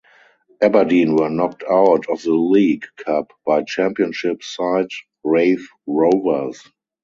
Aberdeen were knocked out of the League Cup by Championship side Raith Rovers.